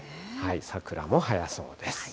桜も早そうです。